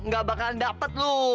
gak bakalan dapet lu